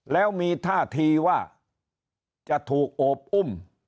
แล้วมีท่าทีว่าจะถูกโอบอุ้ม